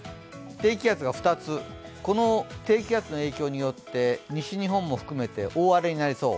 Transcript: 低気圧が２つ、この低気圧の影響によって西日本も含めて大荒れになりそう。